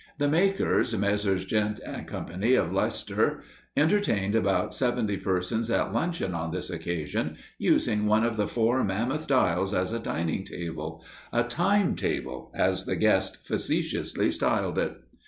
The makers, Messrs. Gent & Co., of Leicester, entertained about seventy persons at luncheon on this occasion, using one of the four mammoth dials as a dining table, a "time table," as the guests facetiously styled it.